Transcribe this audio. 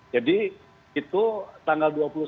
jadi itu tanggal dua puluh satu yang diusulkan oleh